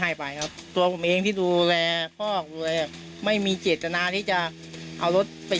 ให้ไปครับตัวผมเองที่ดูแลพ่อดูแลไม่มีเจตนาที่จะเอารถไป